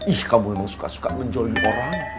ih kamu memang suka suka menjoli orang